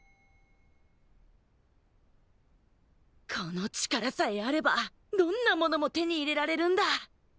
この力さえあればどんなものも手に入れられるんだ。